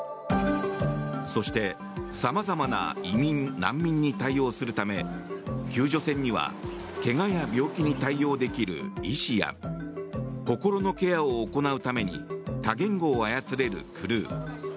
そして、さまざまな移民・難民に対応するため救助船にはけがや病気に対応できる医師や心のケアも行うために多言語を操れるクルー